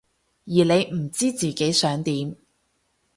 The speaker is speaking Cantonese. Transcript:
而你唔知自己想點？